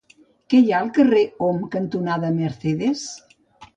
Què hi ha al carrer Om cantonada Mercedes?